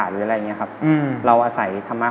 หรืออะไรอย่างนี้ครับเราอาศัยธรรมะ